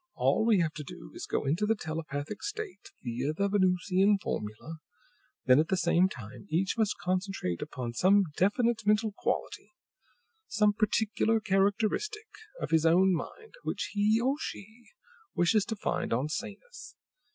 All we have to do is to go into the telepathic state, via the Venusian formula; then, at the same time, each must concentrate upon some definite mental quality, some particular characteristic of his own mind, which he or she wishes to find on Sanus.